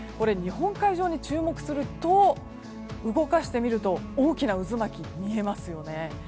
日本海上に注目すると動かしてみると大きな渦巻きが見えますよね。